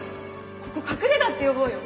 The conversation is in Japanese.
ここ隠れ家って呼ぼうよ。